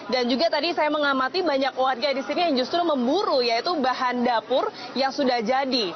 dan juga tadi saya mengamati banyak warga di sini yang justru memburu yaitu bahan dapur yang sudah jadi